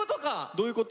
どういうこと？